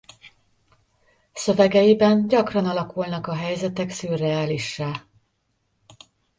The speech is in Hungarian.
Szövegeiben gyakran alakulnak a helyzetek szürreálissá.